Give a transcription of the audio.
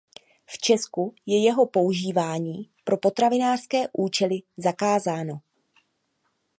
V Česku je jeho používání pro potravinářské účely zakázáno.